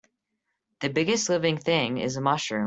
The biggest living thing is a mushroom.